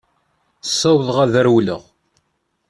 Ssawḍeɣ ad rewleɣ.